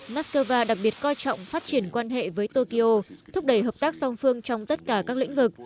mắc cơ va đặc biệt coi trọng phát triển quan hệ với tokyo thúc đẩy hợp tác song phương trong tất cả các lĩnh vực